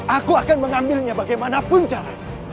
aku akan mengambilnya bagaimanapun caranya